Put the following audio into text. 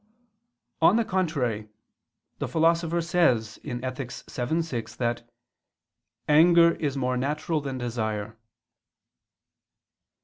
On the contrary, The Philosopher says (Ethic. vii, 6) that "anger is more natural than desire."